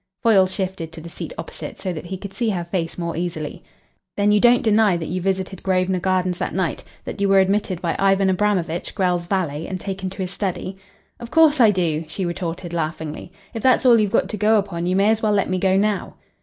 Foyle shifted to the seat opposite, so that he could see her face more easily. "Then you don't deny that you visited Grosvenor Gardens that night, that you were admitted by Ivan Abramovitch, Grell's valet, and taken to his study?" "Of course I do," she retorted laughingly. "If that's all you've got to go upon you may as well let me go now."